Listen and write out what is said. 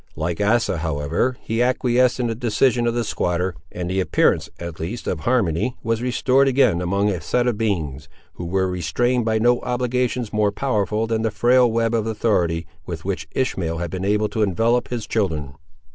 Like Asa, however, he acquiesced in the decision of the squatter; and the appearance, at least, of harmony was restored again among a set of beings, who were restrained by no obligations more powerful than the frail web of authority with which Ishmael had been able to envelope his children.